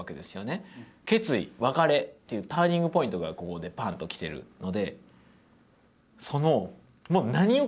決意別れっていうターニングポイントがここでパンと来てるので。